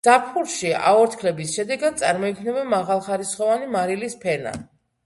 ზაფხულში აორთქლების შედეგად წარმოიქმნება მაღალხარისხოვანი მარილის ფენა.